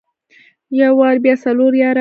يو واري بيا څلور ياره.